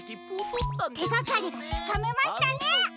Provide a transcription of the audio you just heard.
てがかりがつかめましたね！